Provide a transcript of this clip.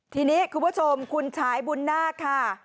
ทีนี้คุณผู้ชมคุณฉายบุญนาคค่ะ